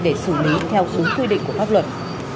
để xử lý theo đúng quy định của pháp luật